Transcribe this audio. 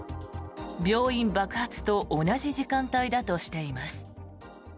病院爆発と同じ時間帯だとしています。